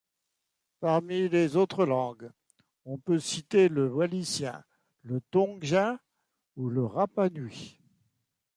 Parmi les autres langues on peut citer le wallisien, le tongien ou le rapanui.